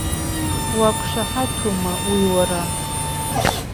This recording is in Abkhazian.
Уақәшаҳаҭума уи уара?